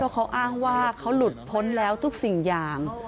เขาอ้างว่าเขาหลุดพ้นแล้วทุกสิ่งอย่าง